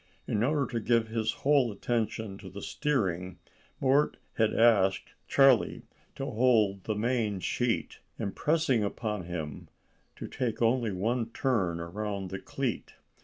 In order to give his whole attention to the steering, Mort had asked Charlie to hold the main sheet, impressing upon him to take only one turn around the cleat.